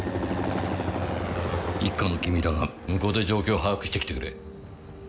一課の君らが向こうで状況を把握して来てくれ。